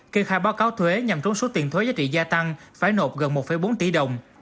kê khai báo cáo thuế nhằm trốn số tiền thuế giá trị gia tăng phải nộp gần một bốn tỷ đồng